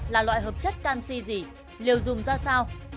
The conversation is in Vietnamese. là loại hợp chất canxi gì liều dùng ra sao